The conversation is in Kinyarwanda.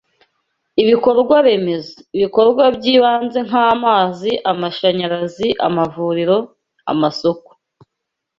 Ibikorwa remezo: ibikorwa by’ibanze nk’amazi, amashanyarazi, amavuriro, amasoko